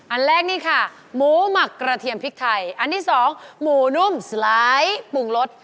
อันแรกนี่ค่ะหมูหมักกระเทียมพริกไทยอันที่สองหมูนุ่มสไลด์ปรุงรส